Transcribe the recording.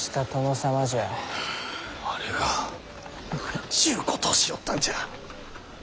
なんちゅうことをしよったんじゃ。